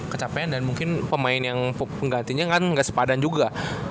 kecapean dan mungkin pemain yang penggantinya kan gak sepadan juga